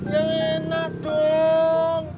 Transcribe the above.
yang enak dong